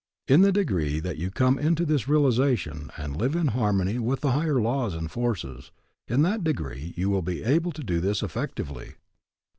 In the degree that you come into this realization and live in harmony with the higher laws and forces, in that degree will you be able to do this effectively.